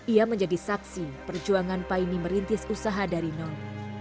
ia menjadi saksi perjuangan paine merintis usaha dari nol